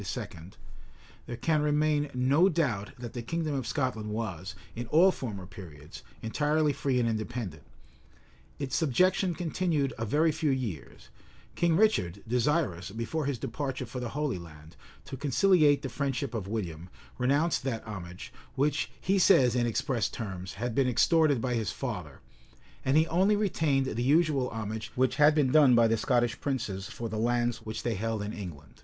[] there can remain no doubt that the kingdom of Scotland was, in all former periods, entirely free and independent. Its subjection continued a very few years: King Richard, desirous, before his departure for the Holy Land, to conciliate the friendship of William, renounced that homage, which, he says in express terms, had been extorted by his father; and he only retained the usual homage which had been done by the Scottish princes for the lands which they held in England.